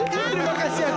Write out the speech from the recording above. terima kasih kang